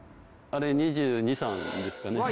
あれ２２２３ですかね。